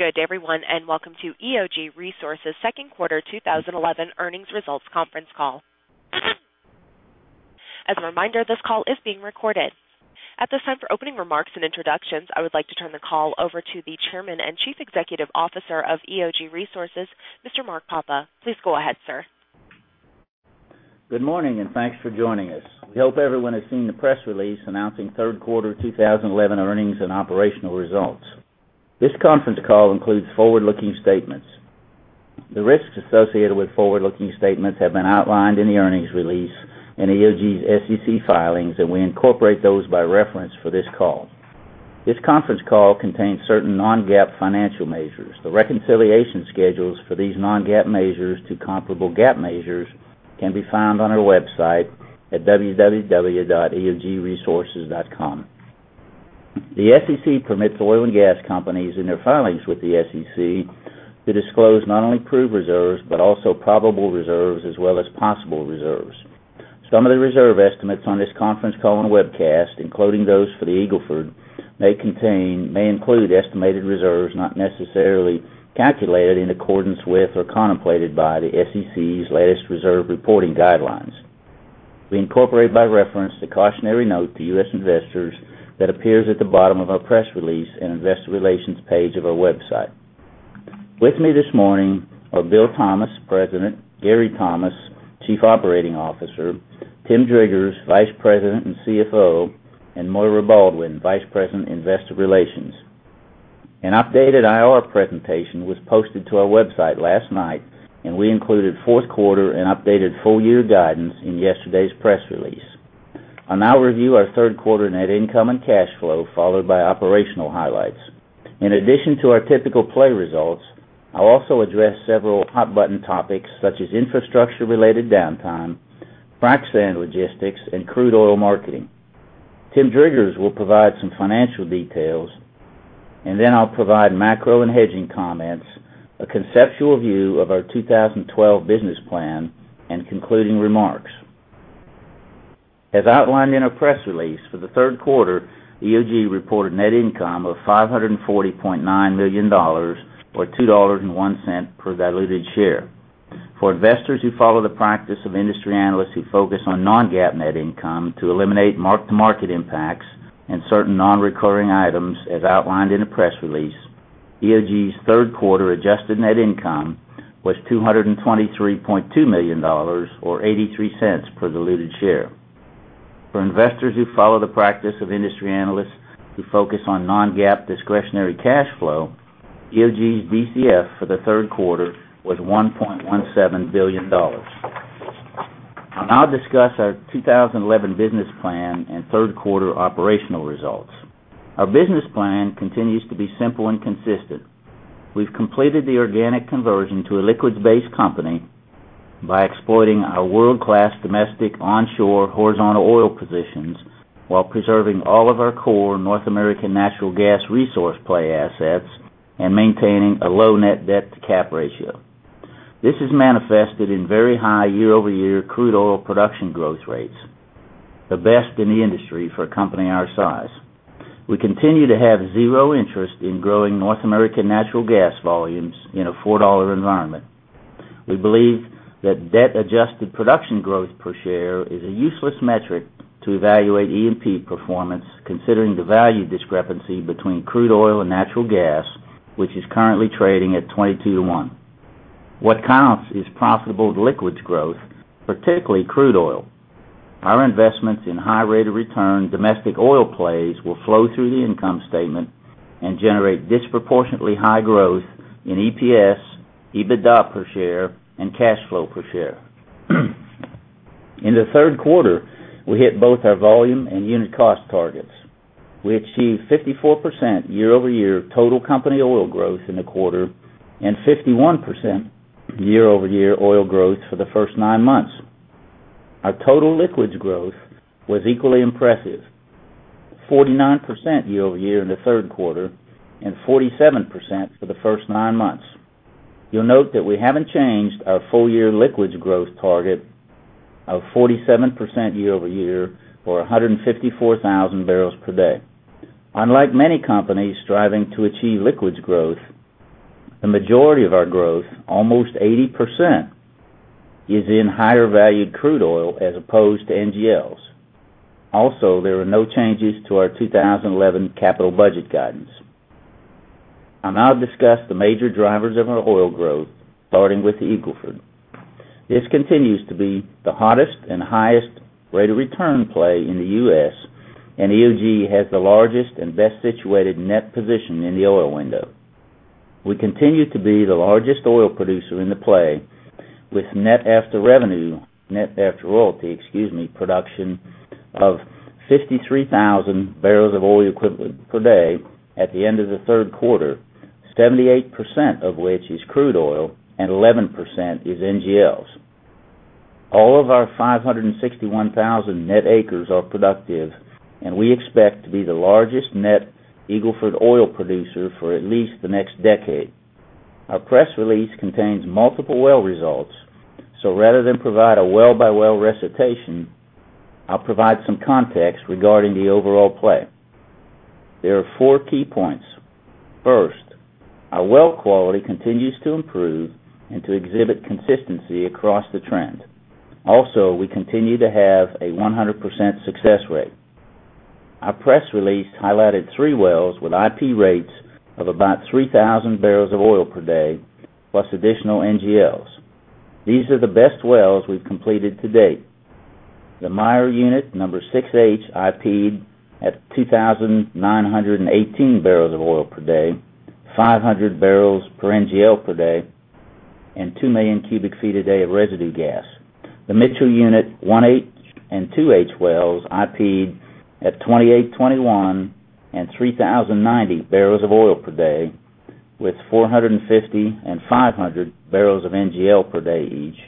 morning, everyone, and welcome to EOG Resources' Second Quarter 2011 Earnings Results Conference Call. As a reminder, this call is being recorded. At this time, for opening remarks and introductions, I would like to turn the call over to the Chairman and Chief Executive Officer of EOG Resources, Mr. Mark Papa. Please go ahead, sir. Good morning, and thanks for joining us. I hope everyone has seen the press release announcing third quarter 2011 earnings and operational results. This conference call includes forward-looking statements. The risks associated with forward-looking statements have been outlined in the earnings release and EOG's SEC filings, and we incorporate those by reference for this call. This conference call contains certain non-GAAP financial measures. The reconciliation schedules for these non-GAAP measures to comparable GAAP measures can be found on our website at www.eogresources.com. The SEC permits oil and gas companies, in their filings with the SEC, to disclose not only proved reserves but also probable reserves as well as possible reserves. Some of the reserve estimates on this conference call and webcast, including those for the Eagle Ford, may include estimated reserves not necessarily calculated in accordance with or contemplated by the SEC's latest reserve reporting guidelines. We incorporate by reference a cautionary note to U.S. investors that appears at the bottom of our press release and investor relations page of our website. With me this morning are Bill Thomas, President; Gary Thomas, Chief Operating Officer; Tim Driggers, Vice President and CFO; and Moira Baldwin, Vice President, Investor Relations. An updated IR presentation was posted to our website last night, and we included fourth quarter and updated full-year guidance in yesterday's press release. I'll now review our third quarter net income and cash flow, followed by operational highlights. In addition to our typical play results, I'll also address several hot-button topics such as infrastructure-related downtime, frac sand logistics, and crude oil marketing. Tim Driggers will provide some financial details, and then I'll provide macro and hedging comments, a conceptual view of our 2012 business plan, and concluding remarks. As outlined in our press release, for the third quarter, EOG reported net income of $540.9 million or $2.01 per diluted share. For investors who follow the practice of industry analysts who focus on non-GAAP net income to eliminate mark-to-market impacts and certain non-recurring items, as outlined in the press release, EOG's third quarter adjusted net income was $223.2 million or $0.83 per diluted share. For investors who follow the practice of industry analysts who focus on non-GAAP discretionary cash flow, EOG's DCF for the third quarter was $1.17 billion. I'll now discuss our 2011 business plan and third quarter operational results. Our business plan continues to be simple and consistent. We've completed the organic conversion to a liquids-based company by exploiting our world-class domestic onshore horizontal oil positions while preserving all of our core North American natural gas resource play assets and maintaining a low net debt-to-capitalization ratio. This is manifested in very high year-over-year crude oil production growth rates, the best in the industry for a company our size. We continue to have zero interest in growing North American natural gas volumes in a $4 environment. We believe that debt-adjusted production growth per share is a useless metric to evaluate E&P performance, considering the value discrepancy between crude oil and natural gas, which is currently trading at 22 to 1. What counts is profitable liquids growth, particularly crude oil. Our investments in high rate of return domestic oil plays will flow through the income statement and generate disproportionately high growth in EPS, EBITDA per share, and cash flow per share. In the third quarter, we hit both our volume and unit cost targets. We achieved 54% year-over-year total company oil growth in the quarter and 51% year-over-year oil growth for the first nine months. Our total liquids growth was equally impressive, 49% year-over-year in the third quarter and 47% for the first nine months. You'll note that we haven't changed our full-year liquids growth target of 47% year-over-year or 154,000 barrels per day. Unlike many companies striving to achieve liquids growth, the majority of our growth, almost 80%, is in higher-valued crude oil as opposed to NGLs. Also, there are no changes to our 2011 capital budget guidance. I'll now discuss the major drivers of our oil growth, starting with the Eagle Ford. This continues to be the hottest and highest rate of return play in the U.S., and EOG has the largest and best situated net position in the oil window. We continue to be the largest oil producer in the play with net after revenue, net after royalty, excuse me, production of 53,000 barrels of oil equivalent per day at the end of the third quarter, 78% of which is crude oil and 11% is NGLs. All of our 561,000 net acres are productive, and we expect to be the largest net Eagle Ford oil producer for at least the next decade. Our press release contains multiple well results, so rather than provide a well-by-well recitation, I'll provide some context regarding the overall play. There are four key points. First, our well quality continues to improve and to exhibit consistency across the trend. Also, we continue to have a 100% success rate. Our press release highlighted three wells with IP rates of about 3,000 bbl of oil per day, plus additional NGLs. These are the best wells we've completed to date. The Meyer unit, number 6H, IP at 2,918 barrels of oil per day, 500 bbl of NGL per day, and 2 million cu ft a day of residue gas. The Mitchell unit, 1H and 2H wells, IP at 2,821 and 3,090 bbl of oil per day, with 450 and 500 bbl of NGL per day each,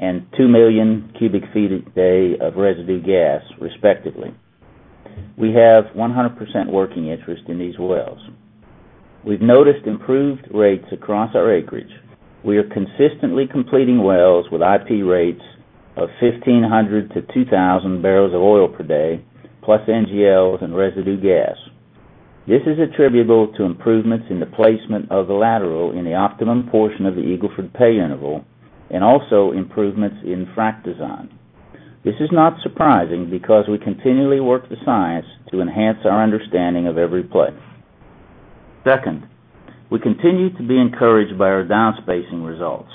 and 2 million cu ft a day of residue gas, respectively. We have 100% working interest in these wells. We've noticed improved rates across our acreage. We are consistently completing wells with IP rates of 1,500 bbl-2,000 bbl of oil per day, plus NGLs and residue gas. This is attributable to improvements in the placement of the lateral in the optimum portion of the Eagle Ford pay interval and also improvements in frac design. This is not surprising because we continually work the science to enhance our understanding of every play. Second, we continue to be encouraged by our downspacing results.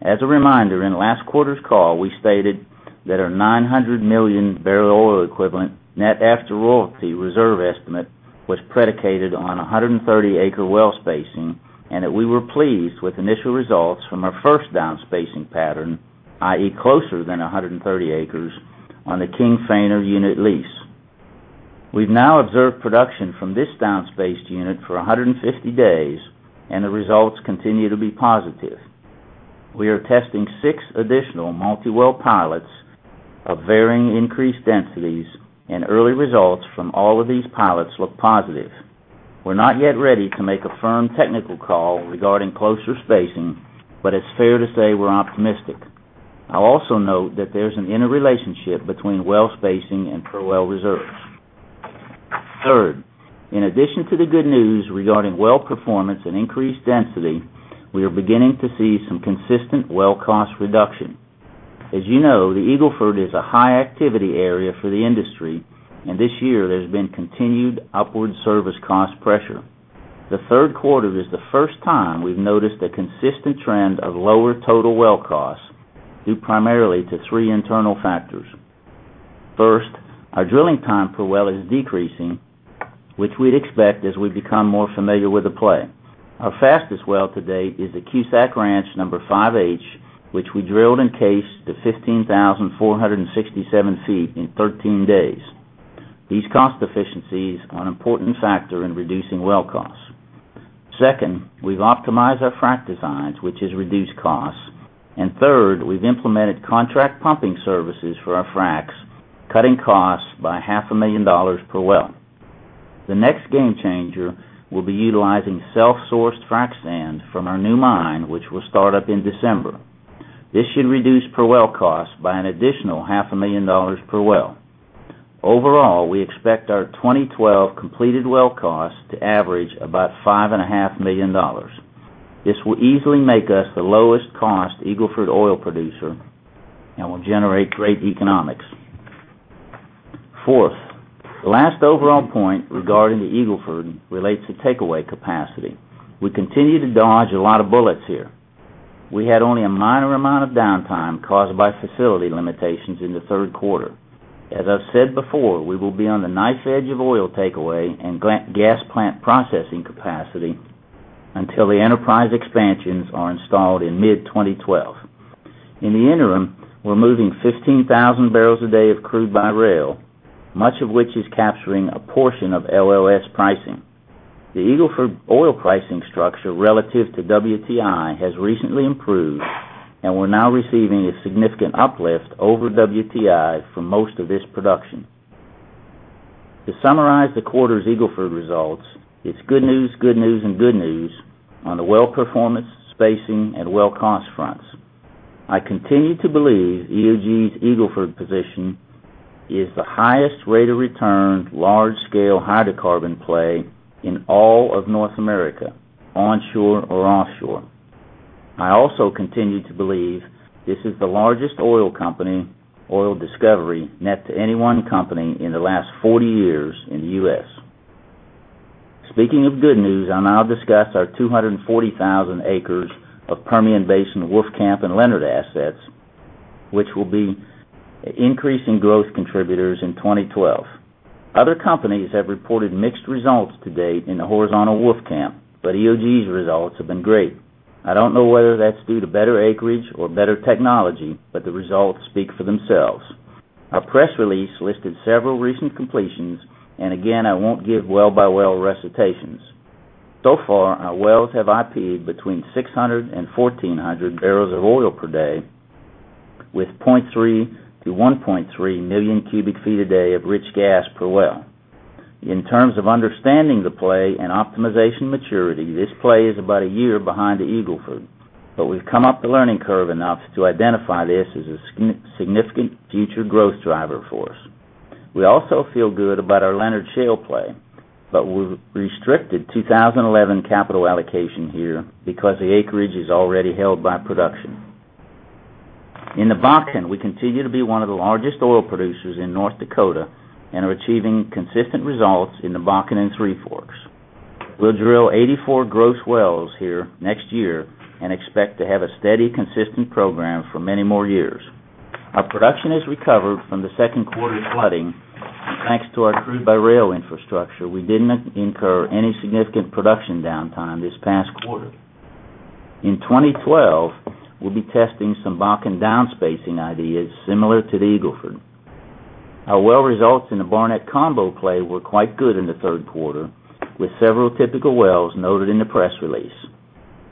As a reminder, in last quarter's call, we stated that our 900 million bbl oil equivalent net after royalty reserve estimate was predicated on 130-acre well spacing and that we were pleased with initial results from our first downspacing pattern, i.e., closer than 130 acres on the King Fehner Unit lease. We've now observed production from this downspaced unit for 150 days, and the results continue to be positive. We are testing six additional multi-well pilots of varying increased densities, and early results from all of these pilots look positive. We're not yet ready to make a firm technical call regarding closer spacing, but it's fair to say we're optimistic. I'll also note that there's an interrelationship between well spacing and per well reserves. Third, in addition to the good news regarding well performance and increased density, we are beginning to see some consistent well cost reduction. As you know, the Eagle Ford is a high activity area for the industry, and this year there's been continued upward service cost pressure. The third quarter is the first time we've noticed a consistent trend of lower total well costs due primarily to three internal factors. First, our drilling time per well is decreasing, which we'd expect as we become more familiar with the play. Our fastest well to date is the Cusack Ranch, number 5H, which we drilled and cased to 15,467 ft in 13 days. These cost efficiencies are an important factor in reducing well costs. Second, we've optimized our frac designs, which has reduced costs, and third, we've implemented contract pumping services for our fracs, cutting costs by $500,000 per well. The next game changer will be utilizing self-sourced frac sand from our new mine, which will start up in December. This should reduce per well cost by an additional $500,000 per well. Overall, we expect our 2012 completed well cost to average about $5.5 million. This will easily make us the lowest cost Eagle Ford oil producer and will generate great economics. Fourth, the last overall point regarding the Eagle Ford relates to takeaway capacity. We continue to dodge a lot of bullets here. We had only a minor amount of downtime caused by facility limitations in the third quarter. As I've said before, we will be on the knife edge of oil takeaway and gas plant processing capacity until the enterprise expansions are installed in mid-2012. In the interim, we're moving 15,000 bbl a day of crude-by-rail logistics, much of which is capturing a portion of LLS pricing. The Eagle Ford oil pricing structure relative to WTI has recently improved, and we're now receiving a significant uplift over WTI for most of this production. To summarize the quarter's Eagle Ford results, it's good news, good news, and good news on the well performance, spacing, and well cost fronts. I continue to believe EOG Resources' Eagle Ford position is the highest rate of return large-scale hydrocarbon play in all of North America, onshore or offshore. I also continue to believe this is the largest oil company, oil discovery, net to any one company in the last 40 years in the U.S. Speaking of good news, I'll now discuss our 240,000 acres of Permian Basin Wolfcamp and Leonard assets, which will be increasing growth contributors in 2012. Other companies have reported mixed results to date in the horizontal Wolfcamp, but EOG Resources' results have been great. I don't know whether that's due to better acreage or better technology, but the results speak for themselves. Our press release listed several recent completions, and again, I won't give well-by-well recitations. So far, our wells have IP between 600 and 1,400 bbl of oil per day, with 0.3 million cu ft-1.3 million cu ft a day of rich gas per well. In terms of understanding the play and optimization maturity, this play is about a year behind the Eagle Ford, but we've come up the learning curve enough to identify this as a significant future growth driver for us. We also feel good about our Leonard Shale play, but we've restricted 2011 capital allocation here because the acreage is already held by production. In the Bakken, we continue to be one of the largest oil producers in North Dakota and are achieving consistent results in the Bakken and Three Forks. We'll drill 84 gross wells here next year and expect to have a steady, consistent program for many more years. Our production has recovered from the second quarter's flooding. Thanks to our crude-by-rail logistics infrastructure, we didn't incur any significant production downtime this past quarter. In 2012, we'll be testing some Bakken downspacing ideas similar to the Eagle Ford. Our well results in the Barnett Combo play were quite good in the third quarter, with several typical wells noted in the press release.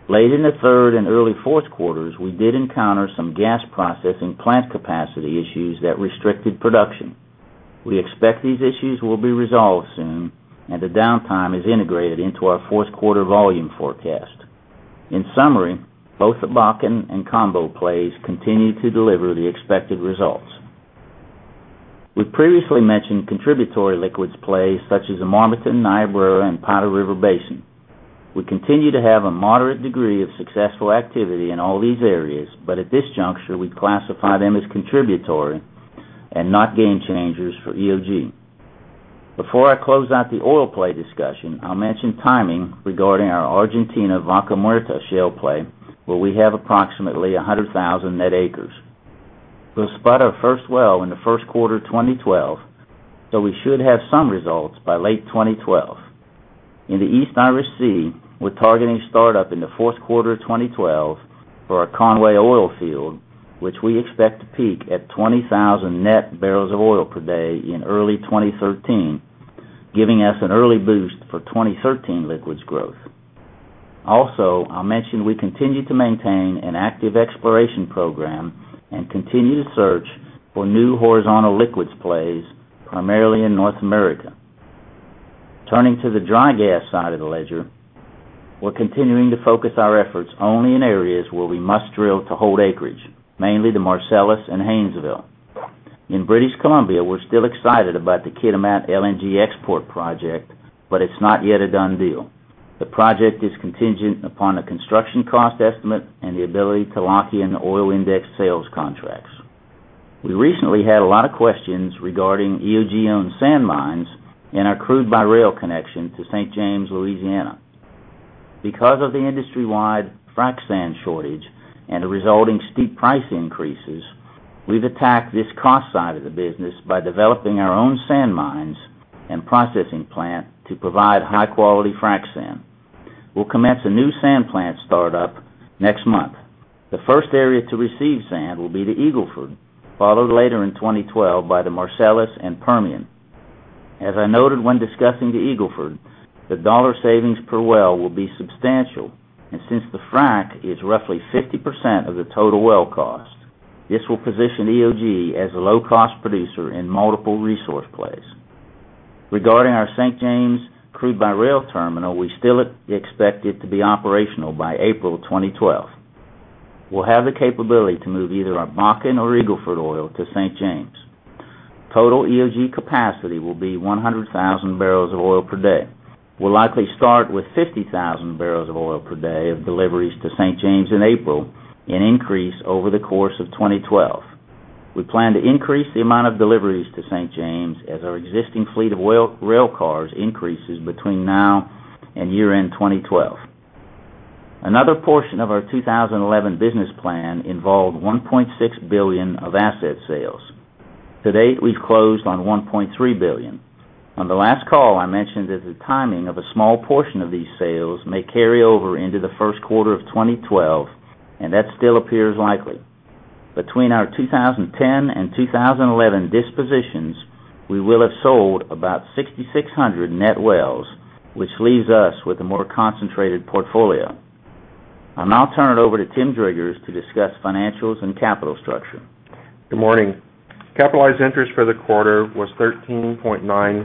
Late in the third and early fourth quarters, we did encounter some gas processing plant capacity issues that restricted production. We expect these issues will be resolved soon, and the downtime is integrated into our fourth quarter volume forecast. In summary, both the Bakken and Combo plays continue to deliver the expected results. We've previously mentioned contributory liquids plays such as the Marmaton, Niobrara, and Powder River Basin. We continue to have a moderate degree of successful activity in all these areas, but at this juncture, we classify them as contributory and not game changers for EOG Resources. Before I close out the oil play discussion, I'll mention timing regarding our Argentina Vaca Muerta Shale play, where we have approximately 100,000 net acres. We'll spot our first well in the first quarter of 2012, so we should have some results by late 2012. In the East Irish Sea, we're targeting startup in the fourth quarter of 2012 for our Conway oil field, which we expect to peak at 20,000 net bbl of oil per day in early 2013, giving us an early boost for 2013 liquids growth. Also, I'll mention we continue to maintain an active exploration program and continue to search for new horizontal liquids plays, primarily in North America. Turning to the dry gas side of the ledger, we're continuing to focus our efforts only in areas where we must drill to hold acreage, mainly the Marcellus and Haynesville. In British Columbia, we're still excited about the Kitimat LNG export project, but it's not yet a done deal. The project is contingent upon the construction cost estimate and the ability to lock in oil index sales contracts. We recently had a lot of questions regarding EOG-owned sand mines and our crude-by-rail connection to St. James, Louisiana. Because of the industry-wide frac sand shortage and the resulting steep price increases, we've attacked this cross-side of the business by developing our own sand mines and processing plant to provide high-quality frac sand. We'll commence a new sand plant startup next month. The first area to receive sand will be the Eagle Ford, followed later in 2012 by the Marcellus and Permian. As I noted when discussing the Eagle Ford, the dollar savings per well will be substantial, and since the frac is roughly 50% of the total well cost, this will position EOG Resources as a low-cost producer in multiple resource plays. Regarding our St. James crude-by-rail terminal, we still expect it to be operational by April 2012. We'll have the capability to move either our Bakken or Eagle Ford oil to St. James. Total EOG Resources capacity will be 100,000 bbl of oil per day. We'll likely start with 50,000 bbl of oil per day of deliveries to St. James in April, an increase over the course of 2012. We plan to increase the amount of deliveries to St. James as our existing fleet of rail cars increases between now and year-end 2012. Another portion of our 2011 business plan involved $1.6 billion of asset sales. To date, we've closed on $1.3 billion. On the last call, I mentioned that the timing of a small portion of these sales may carry over into the first quarter of 2012, and that still appears likely. Between our 2010 and 2011 dispositions, we will have sold about 6,600 net wells, which leaves us with a more concentrated portfolio. I'll now turn it over to Tim Driggers to discuss financials and capital structure. Good morning. Capitalized interest for the quarter was $13.9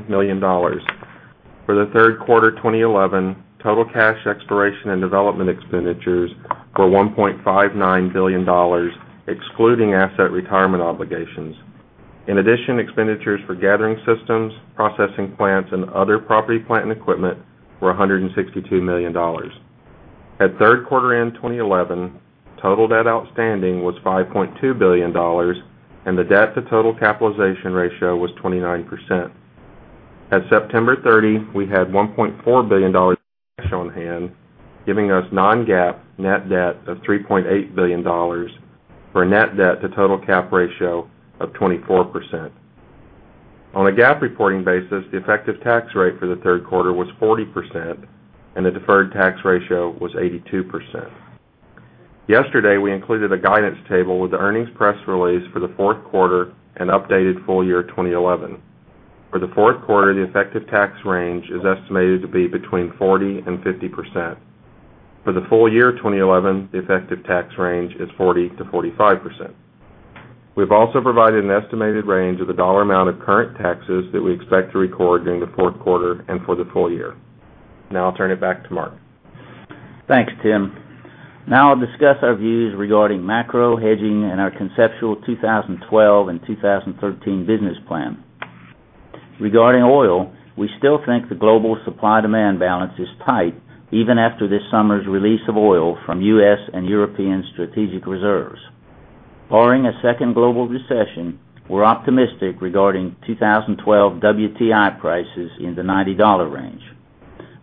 million. For the third quarter 2011, total cash exploration and development expenditures were $1.59 billion, excluding asset retirement obligations. In addition, expenditures for gathering systems, processing plants, and other property, plant and equipment were $162 million. At third quarter end 2011, total debt outstanding was $5.2 billion, and the debt-to-total capitalization ratio was 29%. At September 30, we had $1.4 billion on hand, giving us non-GAAP net debt of $3.8 billion for a net debt-to-total capitalization ratio of 24%. On a GAAP reporting basis, the effective tax rate for the third quarter was 40%, and the deferred tax ratio was 82%. Yesterday, we included a guidance table with the earnings press release for the fourth quarter and updated full year 2011. For the fourth quarter, the effective tax range is estimated to be between 40% and 50%. For the full year 2011, the effective tax range is 40%-45%. We've also provided an estimated range of the dollar amount of current taxes that we expect to record during the fourth quarter and for the full year. Now I'll turn it back to Mark. Thanks, Tim. Now I'll discuss our views regarding macro, hedging, and our conceptual 2012 and 2013 business plan. Regarding oil, we still think the global supply-demand balance is tight, even after this summer's release of oil from U.S. and European strategic reserves. Barring a second global recession, we're optimistic regarding 2012 WTI prices in the $90 range.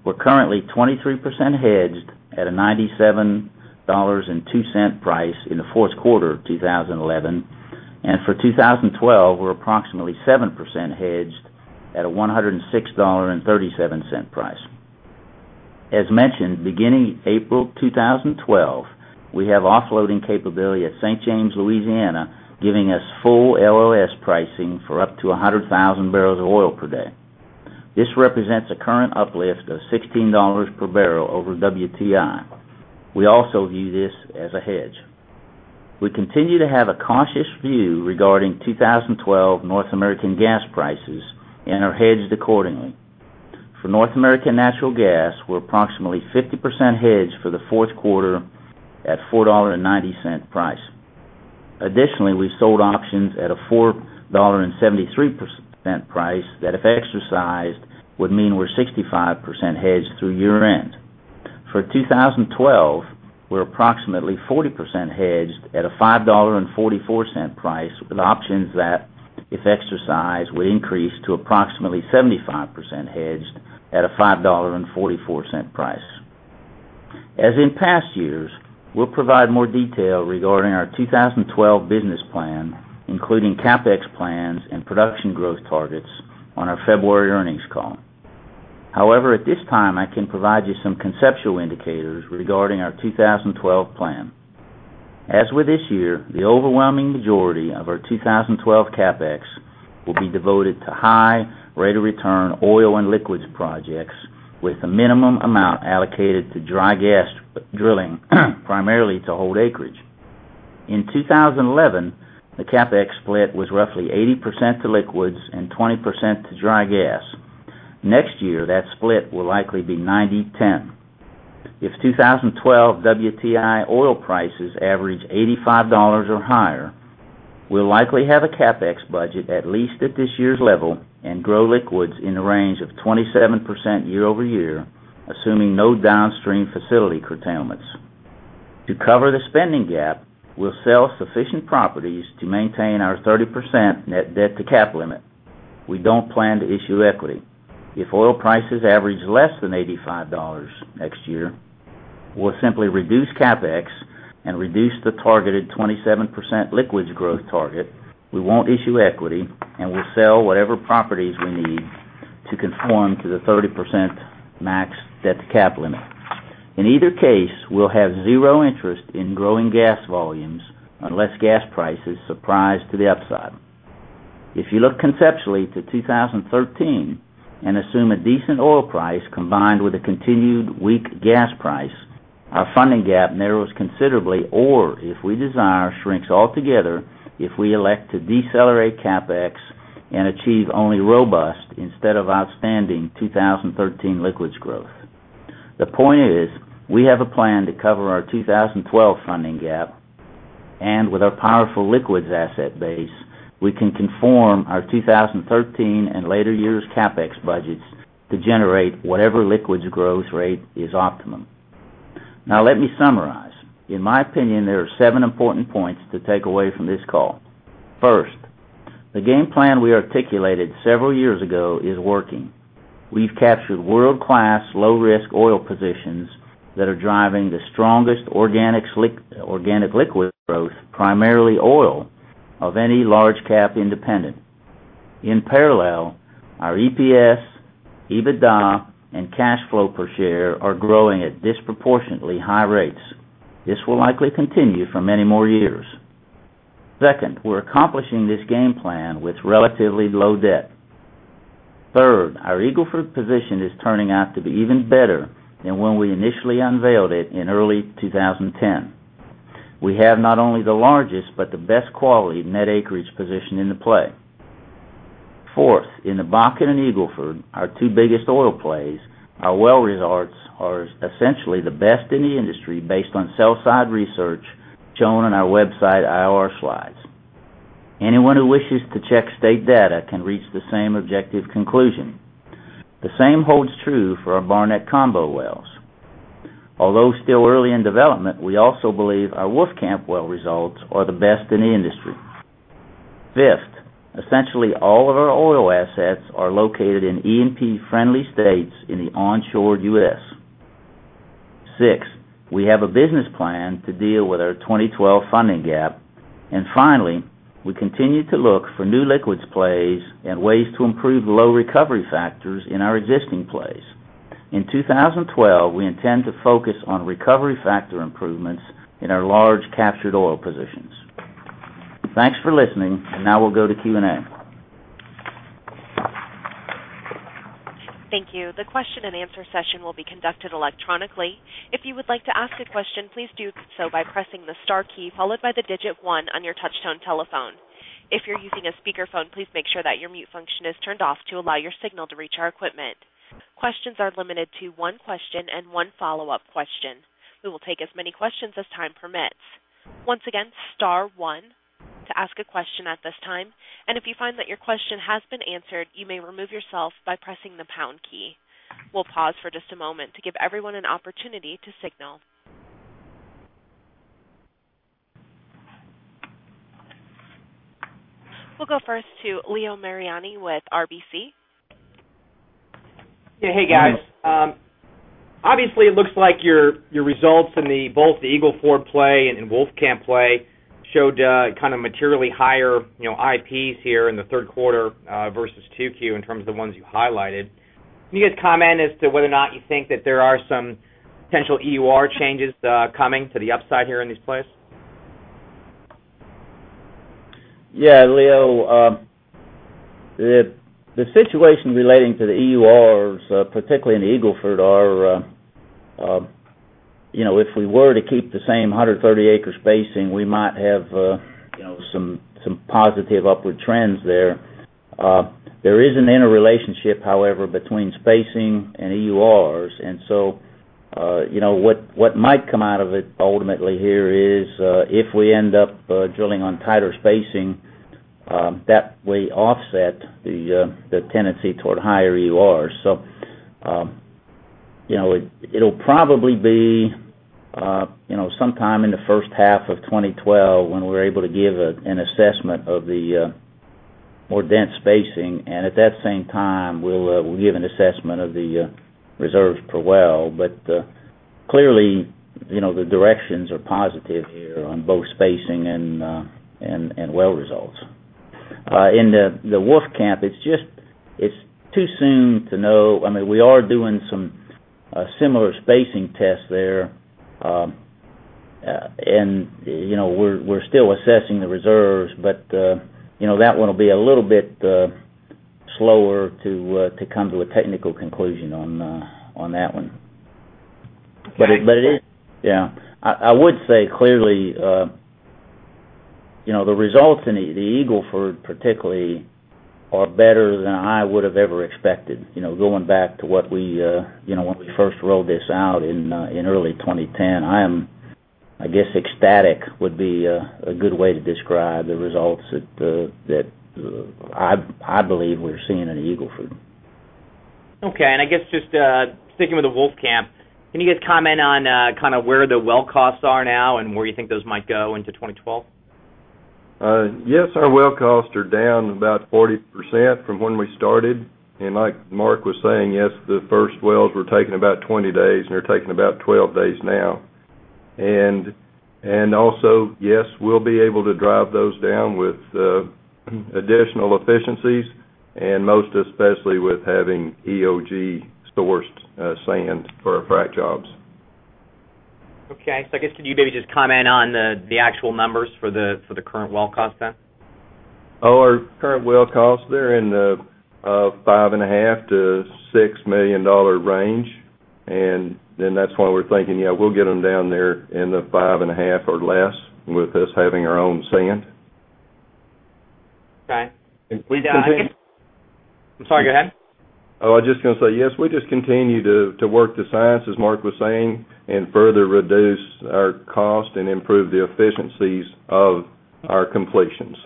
We're currently 23% hedged at a $97.02 price in the fourth quarter of 2011, and for 2012, we're approximately 7% hedged at a $106.37 price. As mentioned, beginning April 2012, we have offloading capability at St. James, Louisiana, giving us full LLS pricing for up to 100,000 barrels of oil per day. This represents a current uplift of $16 per barrel over WTI. We also view this as a hedge. We continue to have a cautious view regarding 2012 North American gas prices and are hedged accordingly. For North American natural gas, we're approximately 50% hedged for the fourth quarter at a $4.90 price. Additionally, we sold options at a $4.73 price that, if exercised, would mean we're 65% hedged through year-end. For 2012, we're approximately 40% hedged at a $5.44 price with options that, if exercised, would increase to approximately 75% hedged at a $5.44 price. As in past years, we'll provide more detail regarding our 2012 business plan, including CapEx plans and production growth targets on our February earnings call. However, at this time, I can provide you some conceptual indicators regarding our 2012 plan. As with this year, the overwhelming majority of our 2012 CapEx will be devoted to high rate of return oil and liquids projects with a minimum amount allocated to dry gas drilling, primarily to hold acreage. In 2011, the CapEx split was roughly 80% to liquids and 20% to dry gas. Next year, that split will likely be 90/10. If 2012 WTI oil prices average $85 or higher, we'll likely have a CapEx budget at least at this year's level and grow liquids in the range of 27% year-over-year, assuming no downstream facility curtailments. To cover the spending gap, we'll sell sufficient properties to maintain our 30% net debt-to-capitalization limit. We don't plan to issue equity. If oil prices average less than $85 next year, we'll simply reduce CapEx and reduce the targeted 27% liquids growth target. We won't issue equity, and we'll sell whatever properties we need to conform to the 30% max debt-to-capitalization limit. In either case, we'll have zero interest in growing gas volumes unless gas prices surprise to the upside. If you look conceptually to 2013 and assume a decent oil price combined with a continued weak gas price, our funding gap narrows considerably, or, if we desire, shrinks altogether if we elect to decelerate CapEx and achieve only robust instead of outstanding 2013 liquids growth. The point is, we have a plan to cover our 2012 funding gap, and with our powerful liquids asset base, we can conform our 2013 and later years' CapEx budgets to generate whatever liquids growth rate is optimum. Now let me summarize. In my opinion, there are seven important points to take away from this call. First, the game plan we articulated several years ago is working. We've captured world-class, low-risk oil positions that are driving the strongest organic liquid growth, primarily oil, of any large-cap independent. In parallel, our EPS, EBITDA, and cash flow per share are growing at disproportionately high rates. This will likely continue for many more years. Second, we're accomplishing this game plan with relatively low debt. Third, our Eagle Ford position is turning out to be even better than when we initially unveiled it in early 2010. We have not only the largest but the best quality net acreage position in the play. Fourth, in the Bakken and Eagle Ford, our two biggest oil plays, our well results are essentially the best in the industry based on sell-side research shown on our website IR slides. Anyone who wishes to check state data can reach the same objective conclusion. The same holds true for our Barnett Combo wells. Although still early in development, we also believe our Wolfcamp well results are the best in the industry. Fifth, essentially all of our oil assets are located in E&P-friendly states in the onshore U.S. Sixth, we have a business plan to deal with our 2012 funding gap, and finally, we continue to look for new liquids plays and ways to improve low recovery factors in our existing plays. In 2012, we intend to focus on recovery factor improvements in our large captured oil positions. Thanks for listening, and now we'll go to Q&A. Thank you. The question and answer session will be conducted electronically. If you would like to ask a question, please do so by pressing the star key followed by the digit one on your touch-tone telephone. If you're using a speakerphone, please make sure that your mute function is turned off to allow your signal to reach our equipment. Questions are limited to one question and one follow-up question. We will take as many questions as time permits. Once again, star one to ask a question at this time, and if you find that your question has been answered, you may remove yourself by pressing the pound key. We'll pause for just a moment to give everyone an opportunity to signal. We'll go first to Leo Mariani with RBC. Hey, guys. Obviously, it looks like your results in both the Eagle Ford play and Wolfcamp play showed materially higher IP here in the third quarter versus 2Q in terms of the ones you highlighted. Can you guys comment as to whether or not you think that there are some potential EUR changes coming to the upside here in these plays? Yeah, Leo, the situation relating to the EURs, particularly in Eagle Ford, are, you know, if we were to keep the same 130-acre spacing, we might have some positive upward trends there. There is an interrelationship, however, between spacing and EURs, and what might come out of it ultimately here is, if we end up drilling on tighter spacing, that we offset the tendency toward higher EURs. It'll probably be sometime in the first half of 2012 when we're able to give an assessment of the more dense spacing, and at that same time, we'll give an assessment of the reserves per well. Clearly, the directions are positive here on both spacing and well results. In the Wolfcamp, it's just too soon to know. I mean, we are doing some similar spacing tests there, and we're still assessing the reserves, but that one will be a little bit slower to come to a technical conclusion on that one. Okay. It is, yeah. I would say clearly, you know, the results in the Eagle Ford particularly are better than I would have ever expected. You know, going back to what we, you know, when we first rolled this out in early 2010, I am, I guess, ecstatic would be a good way to describe the results that I believe we're seeing in the Eagle Ford. Okay. I guess just sticking with the Wolfcamp, can you guys comment on where the well costs are now and where you think those might go into 2012? Yes, our well costs are down about 40% from when we started. Like Mark was saying, yes, the first wells were taking about 20 days, and they're taking about 12 days now. Also, yes, we'll be able to drive those down with additional efficiencies and most especially with having EOG sourced sand for our frac jobs. Okay. Could you maybe just comment on the actual numbers for the current well cost then? Our current well costs, they're in the $5.5 million-$6 million range. That's why we're thinking we'll get them down there in the $5.5 million or less with us having our own sand. Okay. We down to—I'm sorry, go ahead. I was just going to say, yes, we just continue to work the science, as Mark was saying, and further reduce our cost and improve the efficiencies of our completions.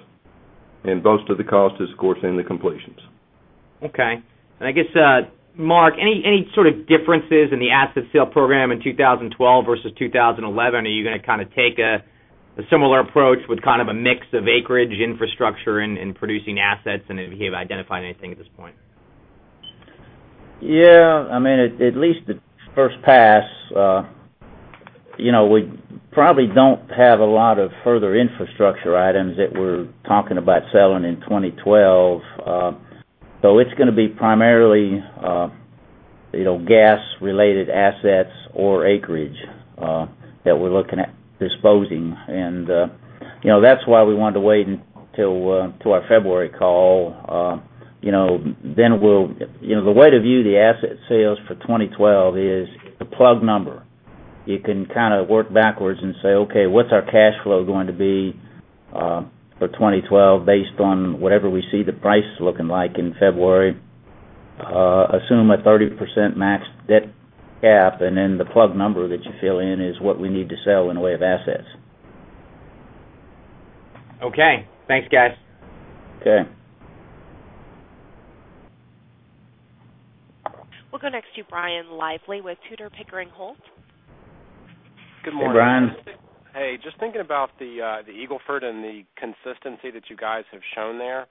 Most of the cost is, of course, in the completions. Okay. Mark, any sort of differences in the asset sale program in 2012 versus 2011? Are you going to take a similar approach with a mix of acreage, infrastructure, and producing assets? Have you identified anything at this point? Yeah. I mean, at least the first pass, we probably don't have a lot of further infrastructure items that we're talking about selling in 2012. It's going to be primarily gas-related assets or acreage that we're looking at disposing. That's why we wanted to wait until our February call. The way to view the asset sales for 2012 is the plug number. You can kind of work backwards and say, "Okay, what's our cash flow going to be for 2012 based on whatever we see the price looking like in February?" Assume a 30% max debt cap, and then the plug number that you fill in is what we need to sell in the way of assets. Okay. Thanks, guys. Okay. We'll go next to Brian Lively with Tudor Pickering Holt. Good morning, Brian. Hey, just thinking about the Eagle Ford and the consistency that you guys have shown there.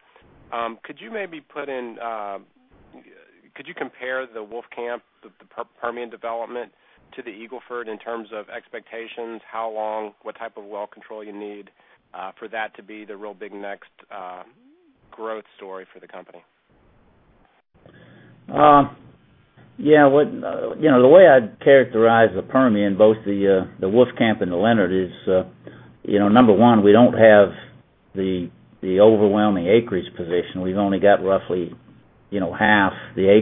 Could you maybe compare the Wolfcamp, the Permian development to the Eagle Ford in terms of expectations, how long, what type of well control you need for that to be the real big next growth story for the company? Yeah. The way I'd characterize the Permian, both the Wolfcamp and the Leonard, is, number one, we don't have the overwhelming acreage position. We've only got roughly half the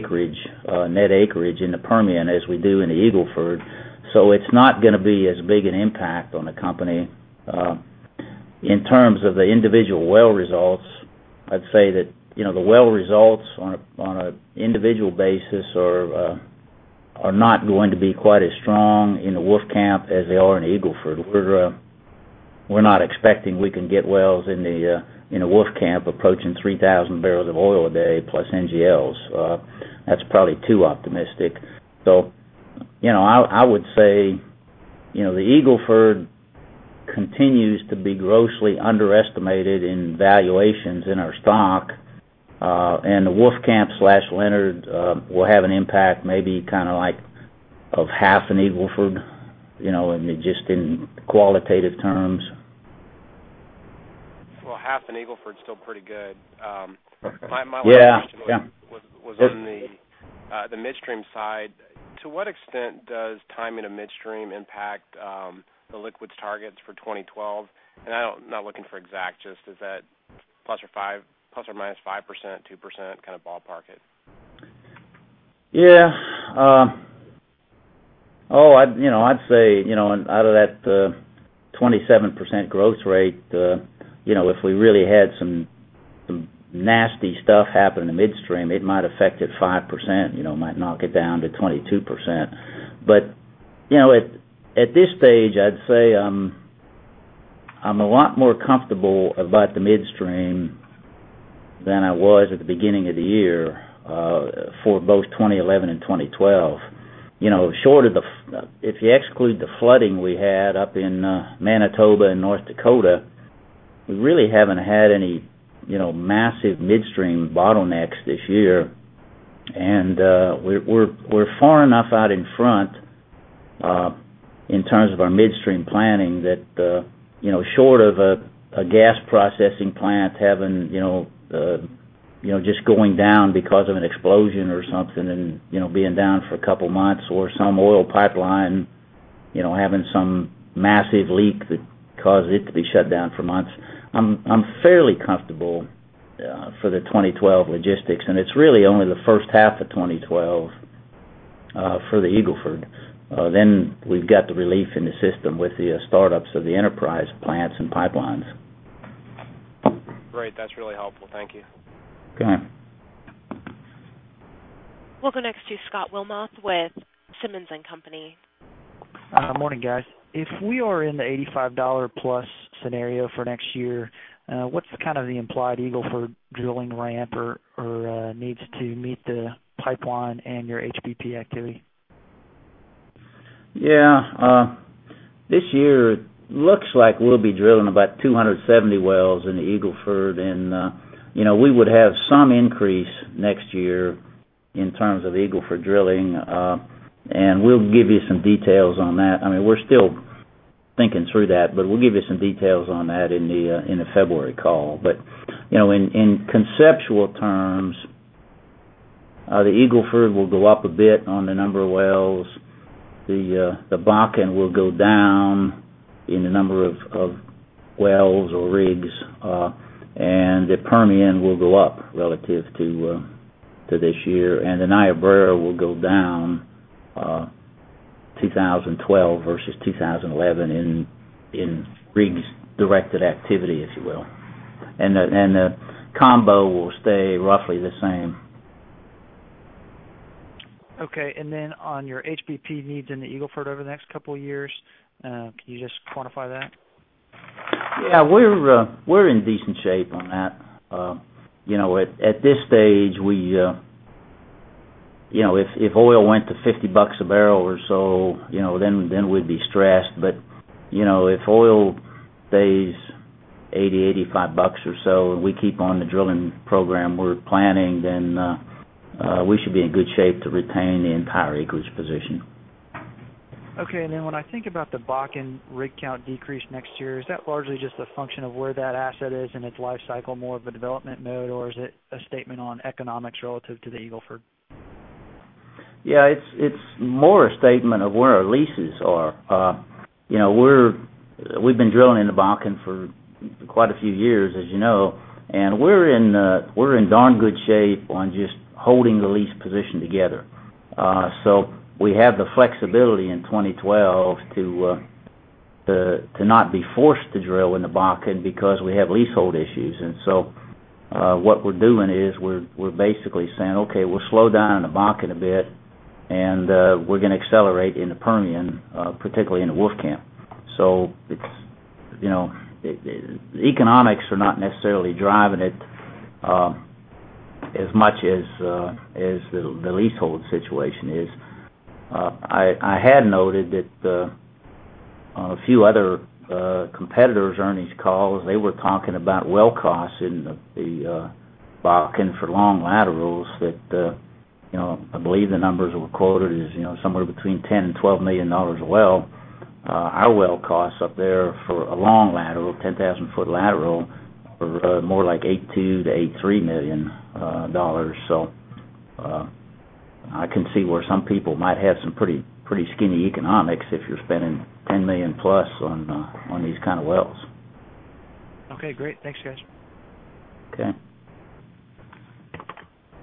net acreage in the Permian as we do in the Eagle Ford. It's not going to be as big an impact on the company. In terms of the individual well results, I'd say that the well results on an individual basis are not going to be quite as strong in the Wolfcamp as they are in the Eagle Ford. We're not expecting we can get wells in the Wolfcamp approaching 3,000 bbl of oil a day plus NGLs. That's probably too optimistic. I would say the Eagle Ford continues to be grossly underestimated in valuations in our stock, and the Wolfcamp/Leonard will have an impact maybe kind of like half an Eagle Ford, just in qualitative terms. Half an Eagle Ford is still pretty good. My last question was in the midstream side. To what extent does timing to midstream impact the liquids targets for 2012? I don't, I'm not looking for exact, just is that ±5%, ±2% kind of ballpark it? Yeah. I'd say, you know, out of that 27% growth rate, if we really had some nasty stuff happen in the midstream, it might affect it 5%, might knock it down to 22%. At this stage, I'd say I'm a lot more comfortable about the midstream than I was at the beginning of the year, for both 2011 and 2012. If you exclude the flooding we had up in Manitoba and North Dakota, we really haven't had any massive midstream bottlenecks this year. We're far enough out in front, in terms of our midstream planning, that short of a gas processing plant just going down because of an explosion or something and being down for a couple of months or some oil pipeline having some massive leak that caused it to be shut down for months, I'm fairly comfortable for the 2012 logistics, and it's really only the first half of 2012 for the Eagle Ford. We've got the relief in the system with the startups of the enterprise plants and pipelines. Great. That's really helpful. Thank you. Okay. We'll go next to Scott Wilmoth with Simmons and Company. Morning, guys. If we are in the $85+ scenario for next year, what's kind of the implied Eagle Ford drilling ramp or needs to meet the pipeline and your HPP activity? Yeah, this year, it looks like we'll be drilling about 270 wells in the Eagle Ford, and we would have some increase next year in terms of the Eagle Ford drilling. We'll give you some details on that. I mean, we're still thinking through that, but we'll give you some details on that in the February call. In conceptual terms, the Eagle Ford will go up a bit on the number of wells. The Bakken will go down in the number of wells or rigs, and the Permian will go up relative to this year. The Niobrara will go down, 2012 versus 2011, in rigs-directed activity, if you will, and the Barnett Combo will stay roughly the same. Okay. On your HPP needs in the Eagle Ford over the next couple of years, can you just quantify that? Yeah. We're in decent shape on that. At this stage, if oil went to $50 a barrel or so, we'd be stressed. If oil stays $80, $85 or so, and we keep on the drilling program we're planning, we should be in good shape to retain the entire acreage position. Okay. When I think about the Bakken rig count decrease next year, is that largely just a function of where that asset is in its life cycle, more of a development mode, or is it a statement on economics relative to the Eagle Ford? Yeah. It's more a statement of where our leases are. You know, we've been drilling in the Bakken for quite a few years, as you know, and we're in, we're in darn good shape on just holding the lease position together. We have the flexibility in 2012 to not be forced to drill in the Bakken because we have leasehold issues. What we're doing is we're basically saying, "Okay, we'll slow down in the Bakken a bit, and we're going to accelerate in the Permian, particularly in the Wolfcamp." The economics are not necessarily driving it as much as the leasehold situation is. I had noted that on a few other competitors' earnings calls, they were talking about well costs in the Bakken for long laterals that, you know, I believe the numbers were quoted as somewhere between $10 million and $12 million a well. Our well costs up there for a long lateral, 10,000-foot lateral, were more like $8.2 million-$8.3 million. I can see where some people might have some pretty skinny economics if you're spending $10 million plus on these kind of wells. Okay. Great. Thanks, guys. Okay.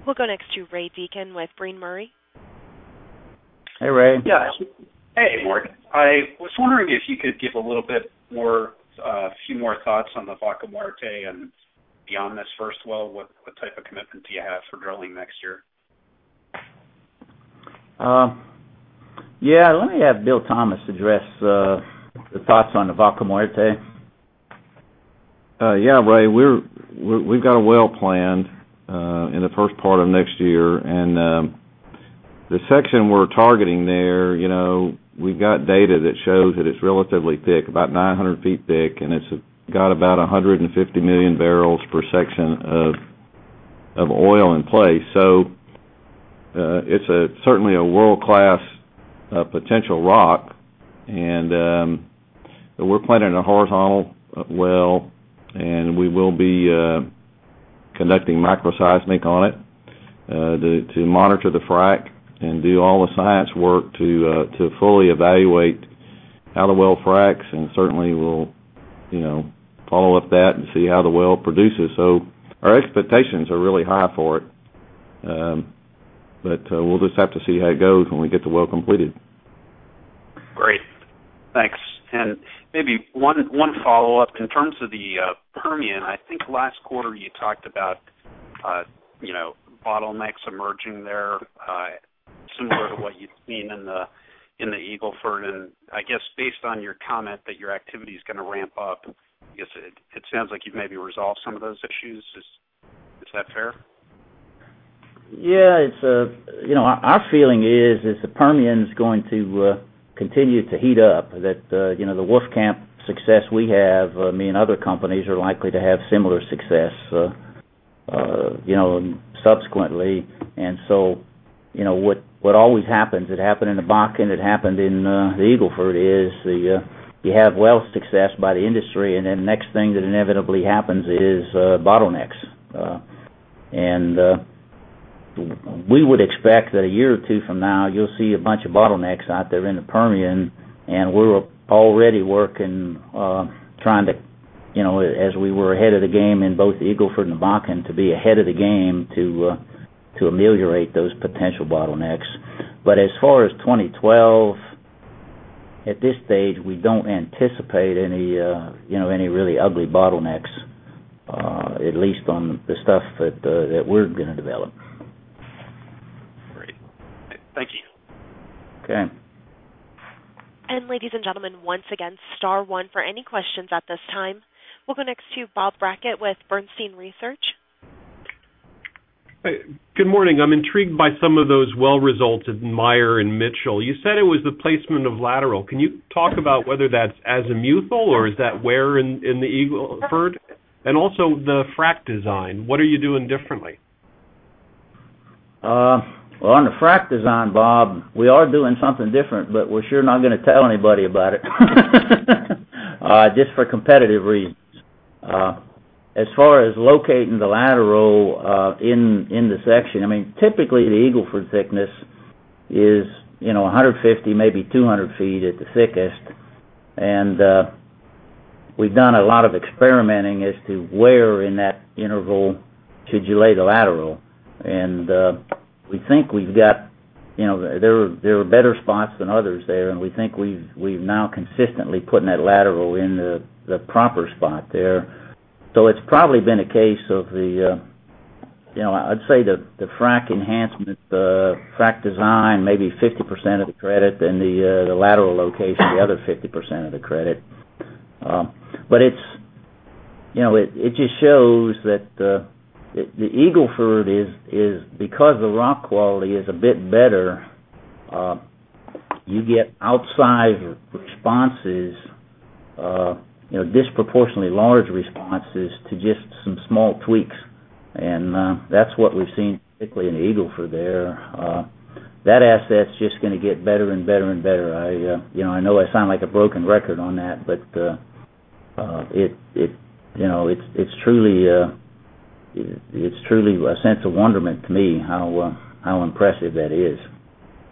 We'll go next to Ray Deacon with Brean Murray. Hey, Ray. Yeah. Hey, Mark. I was wondering if you could give a little bit more, a few more thoughts on the Vaca Muerta and beyond this first well. What type of commitment do you have for drilling next year? Yeah. Let me have Bill Thomas address the thoughts on the Vaca Muerta. Yeah, Ray. We've got a well planned in the first part of next year. The section we're targeting there, you know, we've got data that shows that it's relatively thick, about 900 ft thick, and it's got about 150 million bbl per section of oil in place. It's certainly a world-class potential rock. We're planning a horizontal well, and we will be conducting microseismic on it to monitor the frac and do all the science work to fully evaluate how the well fracs and certainly will, you know, follow up that and see how the well produces. Our expectations are really high for it, but we'll just have to see how it goes when we get the well completed. Great. Thanks. Maybe one follow-up. In terms of the Permian, I think last quarter you talked about bottlenecks emerging there, similar to what you've seen in the Eagle Ford. I guess based on your comment that your activity is going to ramp up, it sounds like you've maybe resolved some of those issues. Is that fair? Yeah. Our feeling is the Permian is going to continue to heat up. The Wolfcamp success we have, and other companies are likely to have similar success, and subsequently, what always happens—it happened in the Bakken, it happened in the Eagle Ford—is you have well success by the industry, and then the next thing that inevitably happens is bottlenecks. We would expect that a year or two from now, you'll see a bunch of bottlenecks out there in the Permian, and we're already working, trying to, as we were ahead of the game in both the Eagle Ford and the Bakken, to be ahead of the game to ameliorate those potential bottlenecks. As far as 2012, at this stage, we don't anticipate any really ugly bottlenecks, at least on the stuff that we're going to develop. Great. Thank you. Okay. Ladies and gentlemen, once again, star one for any questions at this time. We'll go next to Bob Brackett with Bernstein Research. Good morning. I'm intrigued by some of those well results in Meyer and Mitchell. You said it was the placement of lateral. Can you talk about whether that's as a mutable or is that where in the Eagle Ford? Also, the frac design, what are you doing differently? On the frac design, Bob, we are doing something different, but we're sure not going to tell anybody about it, just for competitive reasons. As far as locating the lateral in the section, I mean, typically, the Eagle Ford thickness is, you know, 150 ft, maybe 200 ft at the thickest. We've done a lot of experimenting as to where in that interval you should lay the lateral. We think we've got, you know, there are better spots than others there, and we think we've now consistently put in that lateral in the proper spot there. It's probably been a case of the, you know, I'd say the frac enhancement, the frac design, maybe 50% of the credit and the lateral location, the other 50% of the credit. It just shows that the Eagle Ford is, because the rock quality is a bit better, you get outsized responses, you know, disproportionately large responses to just some small tweaks. That's what we've seen particularly in the Eagle Ford there. That asset's just going to get better and better and better. I know I sound like a broken record on that, but it, you know, it's truly a sense of wonderment to me how impressive that is.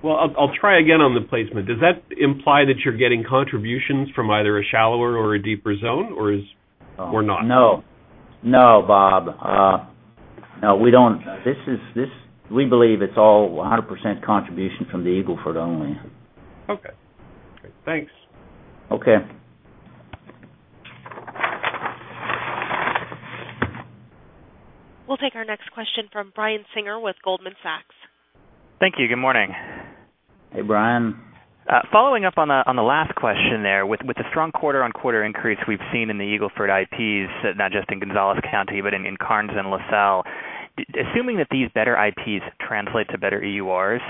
I'll try again on the placement. Does that imply that you're getting contributions from either a shallower or a deeper zone or is or not? No, no, Bob. No, we don't. This, we believe, is all 100% contribution from the Eagle Ford only. Okay. Great. Thanks. Okay. We'll take our next question from Brian Singer with Goldman Sachs. Thank you. Good morning. Hey, Brian. Following up on the last question there, with the strong quarter-on-quarter increase we've seen in the Eagle Ford IPs, not just in Gonzales County, but in Karnes and La Salle, assuming that these better IPs translate to better EURs,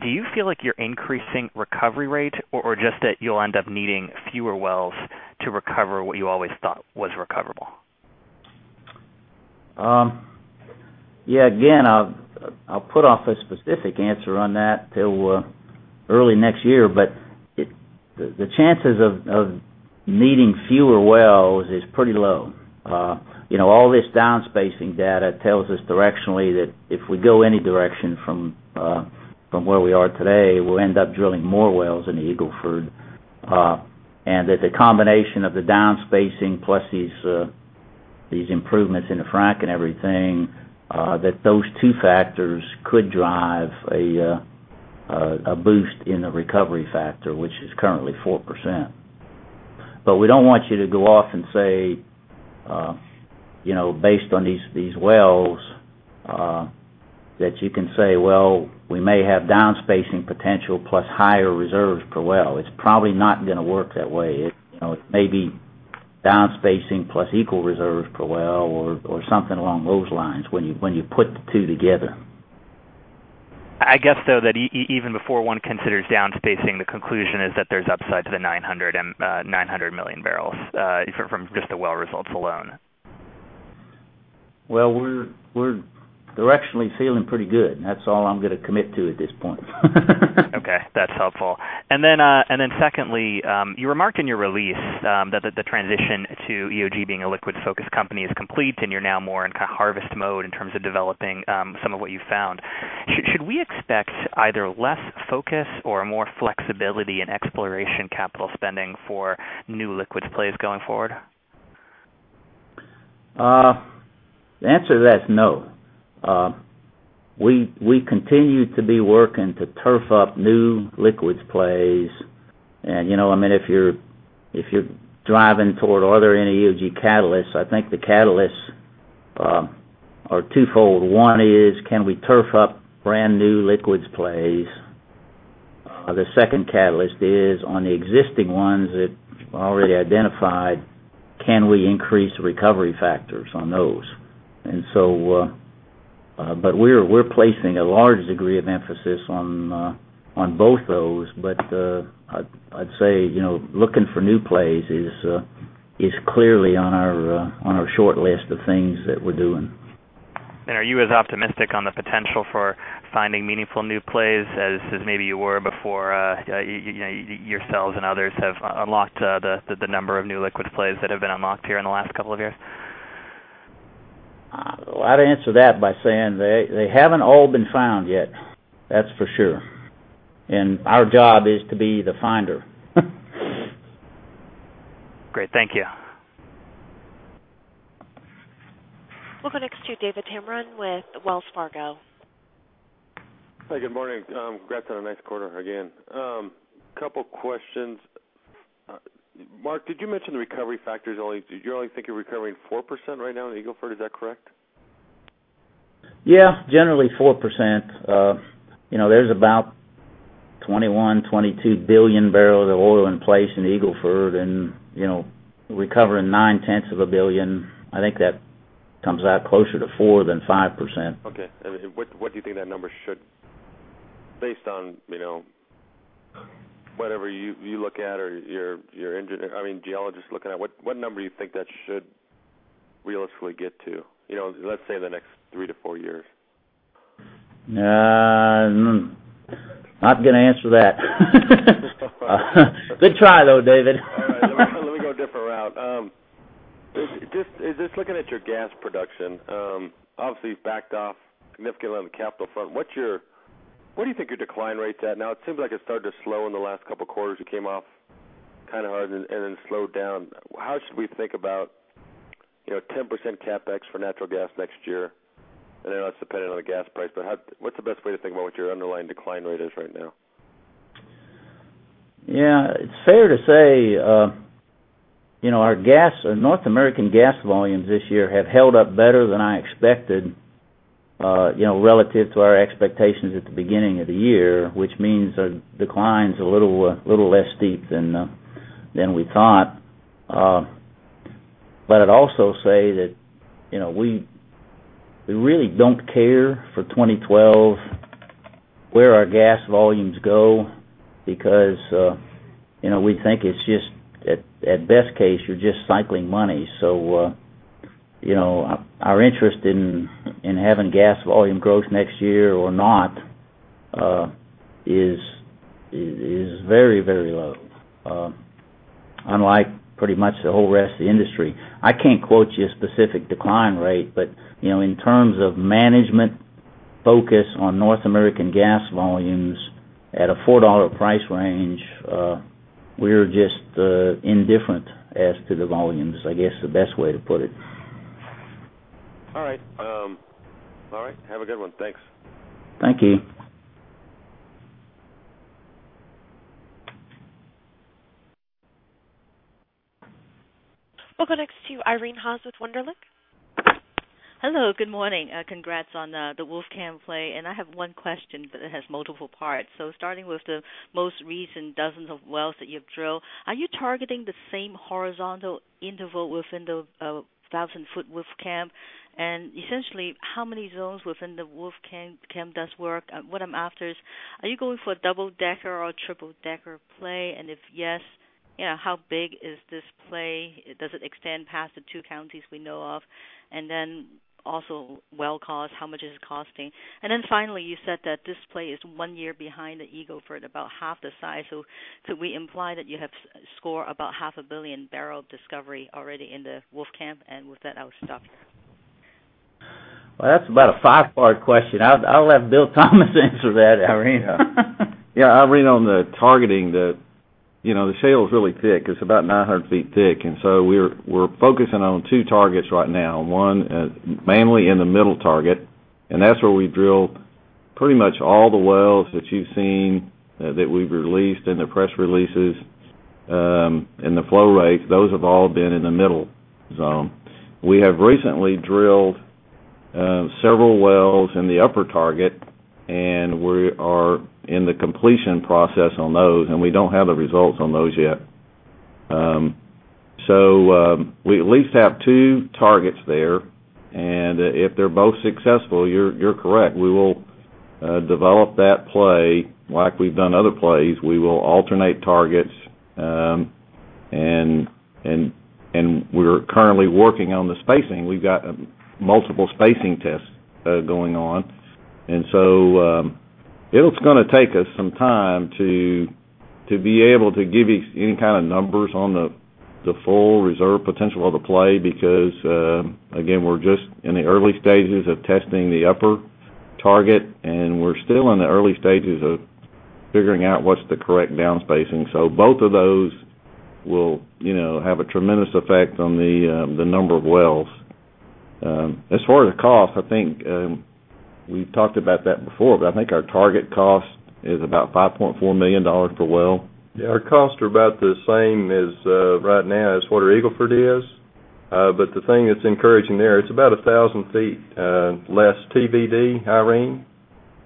do you feel like you're increasing recovery rate or just that you'll end up needing fewer wells to recover what you always thought was recoverable? Yeah. I'll put off a specific answer on that till early next year, but the chances of needing fewer wells is pretty low. All this downspacing data tells us directionally that if we go any direction from where we are today, we'll end up drilling more wells in the Eagle Ford. The combination of the downspacing plus these improvements in the frac and everything, those two factors could drive a boost in the recovery factor, which is currently 4%. We don't want you to go off and say, based on these wells, that you can say, "Well, we may have downspacing potential plus higher reserves per well." It's probably not going to work that way. It may be downspacing plus equal reserves per well or something along those lines when you put the two together. I guess, though, that even before one considers downspacing, the conclusion is that there's upside to the 900, 900 million bbl, from just the well results alone. We're directionally feeling pretty good, and that's all I'm going to commit to at this point. Okay. That's helpful. Secondly, you were marking your release, that the transition to EOG Resources being a liquids-focused company is complete, and you're now more in kind of harvest mode in terms of developing some of what you found. Should we expect either less focus or more flexibility in exploration capital spending for new liquids plays going forward? The answer to that is no. We continue to be working to turf up new liquids plays. If you're driving toward are there any EOG catalysts, I think the catalysts are twofold. One is, can we turf up brand new liquids plays? The second catalyst is, on the existing ones that are already identified, can we increase recovery factors on those? We're placing a large degree of emphasis on both those. I'd say looking for new plays is clearly on our shortlist of things that we're doing. Are you as optimistic on the potential for finding meaningful new plays as maybe you were before, you know, yourselves and others have unlocked the number of new liquids plays that have been unlocked here in the last couple of years? They haven't all been found yet, that's for sure. Our job is to be the finder. Great, thank you. We'll go next to David Tameron with Wells Fargo. Hi. Good morning. Congrats on a nice quarter again. A couple questions. Mark, did you mention the recovery factors only? Did you only think of recovering 4% right now in Eagle Ford? Is that correct? Yeah, generally 4%. You know, there's about 21 billion bbl-22 billion barrels of oil in place in Eagle Ford, and, you know, recovering nine-tenths of a billion. I think that comes out closer to 4% than 5%. Okay. What do you think that number should be, based on whatever you look at or your geologists are looking at? What number do you think that should realistically get to, let's say in the next 3 years-4 years? No, I'm not going to answer that. Good try, though, David. Let me go a different route. Just looking at your gas production, obviously, you've backed off a significant amount of the capital fund. What do you think your decline rate is at now? It seems like it started to slow in the last couple of quarters. You came off kind of hard and then slowed down. How should we think about, you know, 10% CapEx for natural gas next year? I know that's dependent on the gas price, but what's the best way to think about what your underlying decline rate is right now? Yeah. It's fair to say our North American gas volumes this year have held up better than I expected, relative to our expectations at the beginning of the year, which means our decline is a little less steep than we thought. I'd also say that we really don't care for 2012 where our gas volumes go because we think it's just at best case, you're just cycling money. Our interest in having gas volume growth next year or not is very, very low, unlike pretty much the whole rest of the industry. I can't quote you a specific decline rate, but in terms of management focus on North American gas volumes at a $4 price range, we're just indifferent as to the volumes, I guess, the best way to put it. All right. Have a good one. Thanks. Thank you. We'll go next to Irene Haas with Wunderlich. Hello. Good morning. Congrats on the Wolfcamp play, and I have one question that has multiple parts. Starting with the most recent dozens of wells that you have drilled, are you targeting the same horizontal interval within the 1,000ft Wolfcamp? Essentially, how many zones within the Wolfcamp does work? What I'm after is, are you going for a double-decker or a triple-decker play? If yes, how big is this play? Does it extend past the two counties we know of? Also, well cost, how much is it costing? Finally, you said that this play is one year behind the Eagle Ford, about half the size. Could we imply that you have scored about half a billion barrel discovery already in the Wolfcamp? With that, I'll stop here. That is about a five-part question. I'll let Bill Thomas answer that, Irene. Yeah. Irene, on the targeting, the shale is really thick. It's about 900 ft thick. We're focusing on two targets right now, mainly the middle target. That's where we drill pretty much all the wells that you've seen that we've released in the press releases and the flow rates. Those have all been in the middle zone. We have recently drilled several wells in the upper target, and we are in the completion process on those, and we don't have the results on those yet. We at least have two targets there, and if they're both successful, you're correct. We will develop that play like we've done other plays. We will alternate targets, and we're currently working on the spacing. We've got multiple spacing tests going on. It's going to take us some time to be able to give you any kind of numbers on the full reserve potential of the play because we're just in the early stages of testing the upper target, and we're still in the early stages of figuring out what's the correct downspacing. Both of those will have a tremendous effect on the number of wells. As far as the cost, I think we've talked about that before, but I think our target cost is about $5.4 million per well. Our costs are about the same right now as what our Eagle Ford is, but the thing that's encouraging there, it's about 1,000 ft less TBD, Irene.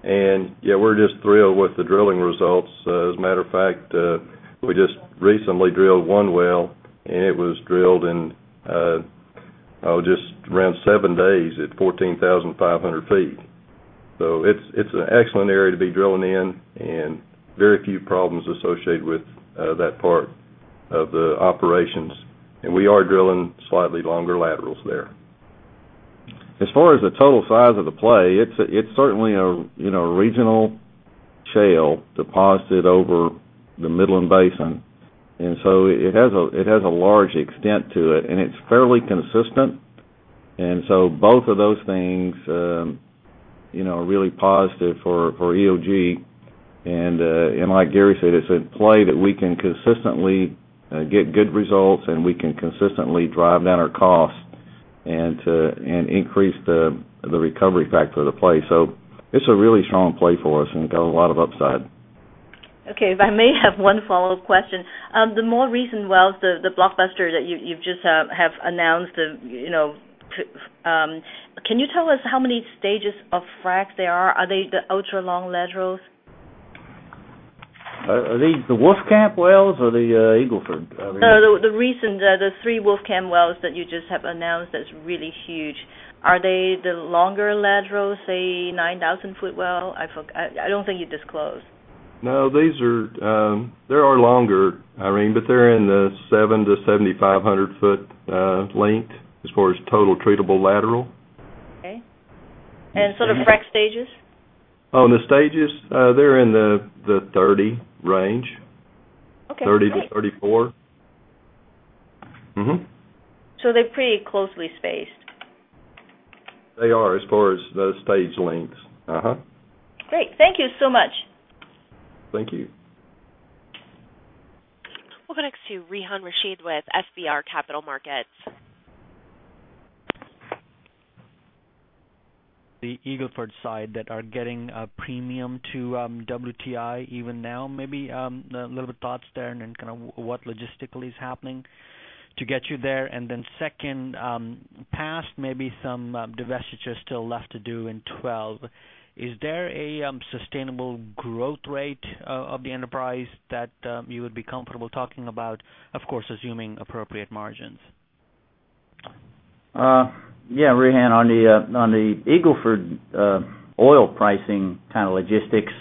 We're just thrilled with the drilling results. As a matter of fact, we just recently drilled one well, and it was drilled in just around seven days at 14,500 ft. It's an excellent area to be drilling in and very few problems associated with that part of the operations. We are drilling slightly longer laterals there. As far as the total size of the play, it's certainly a regional shale deposited over the Midland Basin. It has a large extent to it, and it's fairly consistent. Both of those things are really positive for EOG. Like Gary Thomas said, it's a play that we can consistently get good results, and we can consistently drive down our costs and increase the recovery factor of the play. It's a really strong play for us and got a lot of upside. Okay. If I may have one follow-up question. The more recent wells, the Blockbuster that you've just announced, can you tell us how many stages of frac there are? Are they the ultra-long laterals? Are these the Wolfcamp wells or the Eagle Ford? No, the recent, the three Wolfcamp wells that you just have announced, that's really huge. Are they the longer laterals, say, 9,000-foot well? I forgot. I don't think you disclosed. No. These are, they are longer, Irene, but they're in the 7,000 ft-7,500 ft length as far as total treatable lateral. Okay. The frac stages? Oh, the stages, they're in the 30 range. Okay, they. 30 ft-34 ft. Mm-hmm. They're pretty closely spaced. They are as far as the stage lengths. Great. Thank you so much. Thank you. We'll go next to Rehan Rashid with SBR Capital Markets. The Eagle Ford side that are getting a premium to WTI even now. Maybe a little bit of thoughts there, and then kind of what logistically is happening to get you there. Then second, past maybe some divestitures still left to do in 2012, is there a sustainable growth rate of the enterprise that you would be comfortable talking about, of course, assuming appropriate margins? Yeah. Rehan, on the Eagle Ford oil pricing logistics,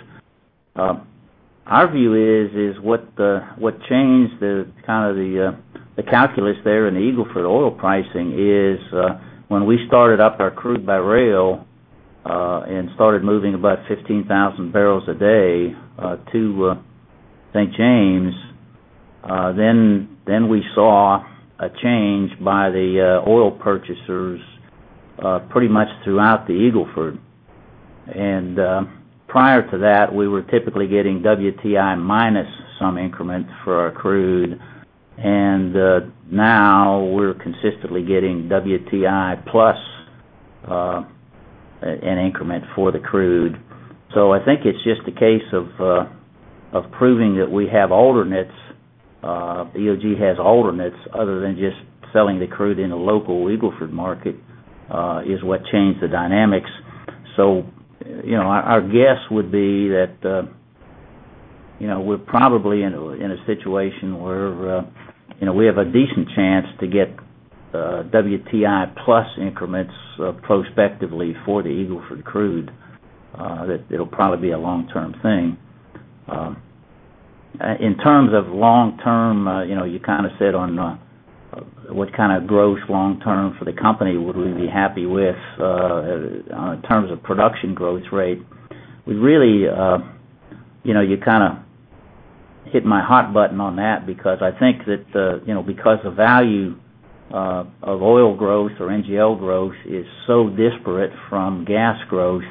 our view is what changed the calculus there in the Eagle Ford oil pricing is when we started up our crude-by-rail and started moving about 15,000 bbl a day to St. James. We saw a change by the oil purchasers pretty much throughout the Eagle Ford. Prior to that, we were typically getting WTI minus some increment for our crude. Now we're consistently getting WTI plus an increment for the crude. I think it's just a case of proving that we have alternates. EOG has alternates other than just selling the crude in the local Eagle Ford market, which is what changed the dynamics. Our guess would be that we're probably in a situation where we have a decent chance to get WTI plus increments prospectively for the Eagle Ford crude. That will probably be a long-term thing. In terms of long-term, you asked what kind of growth long-term for the company would we be happy with in terms of production growth rate. You kind of hit my hot button on that because I think that, because the value of oil growth or NGL growth is so disparate from gas growth,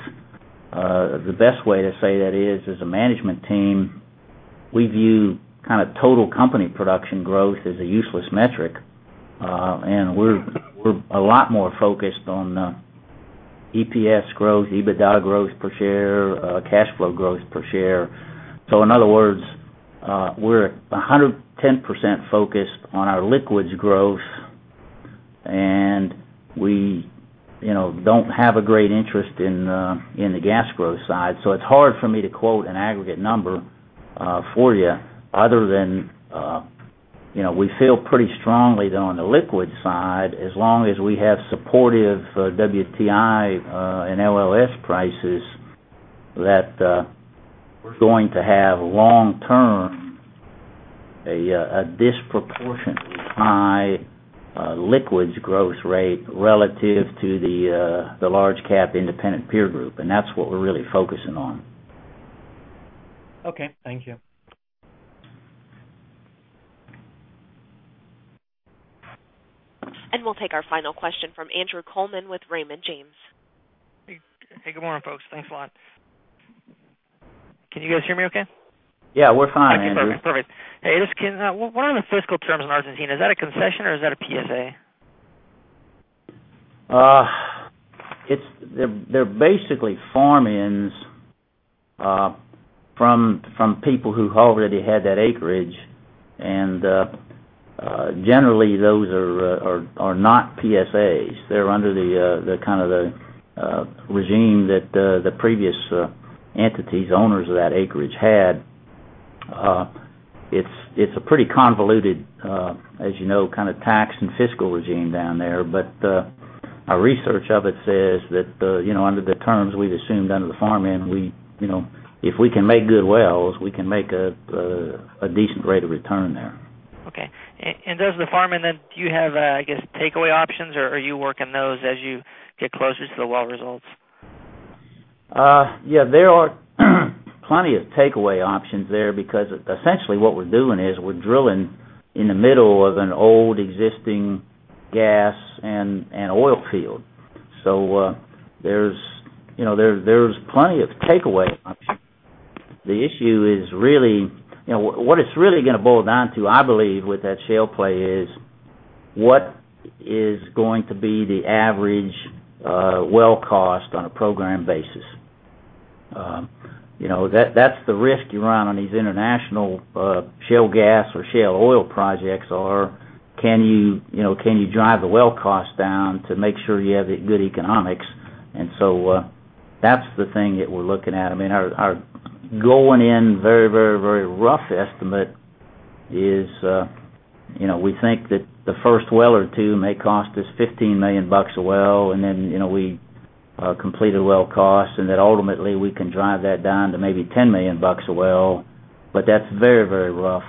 the best way to say that is, as a management team, we view total company production growth as a useless metric. We're a lot more focused on EPS growth, EBITDA growth per share, cash flow growth per share. In other words, we're 110% focused on our liquids growth. We don't have a great interest in the gas growth side. It's hard for me to quote an aggregate number for you other than we feel pretty strongly that on the liquids side, as long as we have supportive WTI and LLS prices, we're going to have long-term a disproportionately high liquids growth rate relative to the large-cap independent peer group. That's what we're really focusing on. Okay. Thank you. We will take our final question from Andrew Coleman with Raymond James. Hey, good morning, folks. Thanks a lot. Can you guys hear me okay? Yeah, we're fine. Okay. Perfect. Hey, this is Ken. What are the fiscal terms in Argentina? Is that a concession or is that a PSA? They're basically farm-ins from people who already had that acreage. Generally, those are not PSAs. They're under the kind of regime that the previous entities, owners of that acreage, had. It's a pretty convoluted, as you know, kind of tax and fiscal regime down there. Our research of it says that, you know, under the terms we've assumed under the farm-in, we, you know, if we can make good wells, we can make a decent rate of return there. Does the farm-in, then, do you have, I guess, takeaway options, or are you working those as you get closer to the well results? Yeah. There are plenty of takeaway options there because essentially what we're doing is we're drilling in the middle of an old existing gas and oil field. There are plenty of takeaway options. The issue is really what it's going to boil down to, I believe, with that shale play is what is going to be the average well cost on a program basis. That's the risk you run on these international shale gas or shale oil projects, can you drive the well cost down to make sure you have good economics? That's the thing that we're looking at. I mean, our going in very, very, very rough estimate is we think that the first well or two may cost us $15 million a well, and then we complete a well cost, and then ultimately, we can drive that down to maybe $10 million a well. That's very, very rough,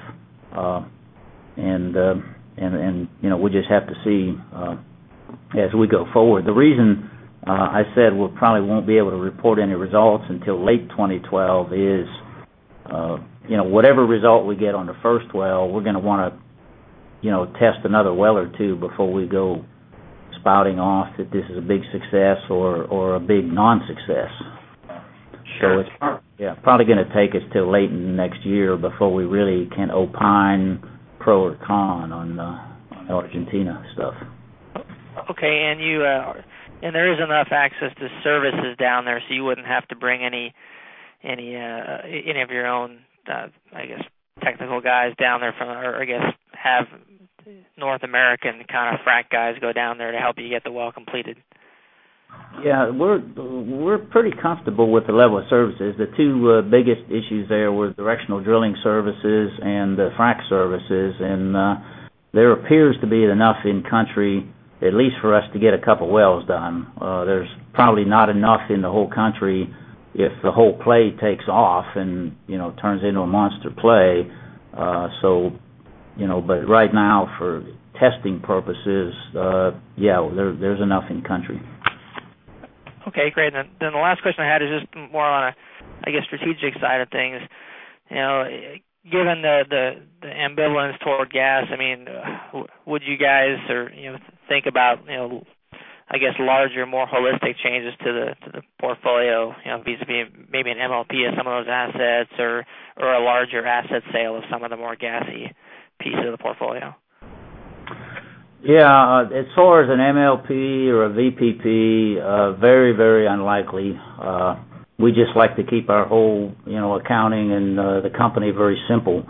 and we just have to see as we go forward. The reason I said we probably won't be able to report any results until late 2012 is whatever result we get on the first well, we're going to want to test another well or two before we go spouting off that this is a big or a big non-success. That's fine. Yeah, probably going to take us till late in the next year before we really can opine pro or con on the Argentina stuff. Okay. There is enough access to services down there, so you wouldn't have to bring any of your own, I guess, technical guys down there from, or have the North American kind of frac guys go down there to help you get the well completed? Yeah. We're pretty comfortable with the level of services. The two biggest issues there were directional drilling services and the frac services. There appears to be enough in country, at least for us to get a couple of wells done. There's probably not enough in the whole country if the whole play takes off and, you know, turns into a monster play. Right now, for testing purposes, yeah, there's enough in country. Okay. Great. The last question I had is just more on a, I guess, strategic side of things. Given the ambivalence toward gas, would you guys think about, I guess, larger, more holistic changes to the portfolio, maybe an MLP of some of those assets or a larger asset sale of some of the more gassy pieces of the portfolio? Yeah. As far as an MLP or a VPP, very, very unlikely. We just like to keep our whole, you know, accounting and the company very simple.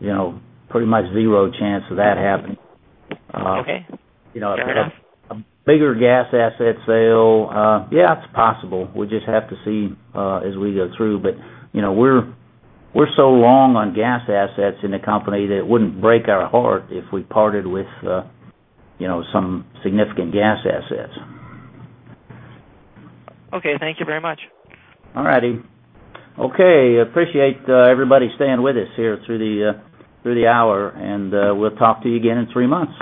You know, pretty much zero chance of that happening. Okay. If we have a bigger gas asset sale, yeah, it's possible. We just have to see as we go through. We're so long on gas assets in the company that it wouldn't break our heart if we parted with some significant gas assets. Okay, thank you very much. All righty. Okay. I appreciate everybody staying with us here through the hour. We'll talk to you again in three months.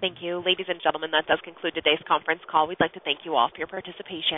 Thank you. Ladies and gentlemen, that does conclude today's conference call. We'd like to thank you all for your participation.